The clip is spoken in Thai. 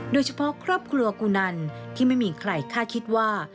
โดยเฉพาะครอบครัวกูนันที่ไม่มีใครคาดคิดว่า